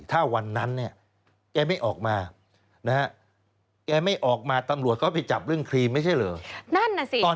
ถ้าวันนั้นแกไม่ออกมาแกไม่ออกมาตำรวจเขาไปจับเรื่องครีมไม่ใช่เหรอ